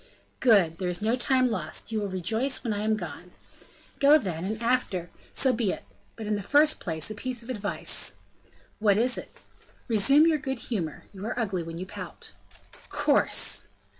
"Good; there is no time lost, you will rejoice when I am gone." "Go, then; and after " "So be it; but in the first place, a piece of advice." "What is it?" "Resume your good humor, you are ugly when you pout." "Coarse!"